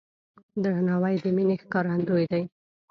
درناوی د مینې ښکارندوی دی.